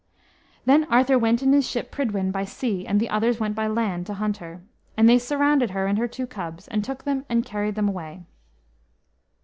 Ther Arthur went in his ship Prydwen by sea, and the others went by land to hunt her. And they surrounded her and her two cubs, and took them and carried them away.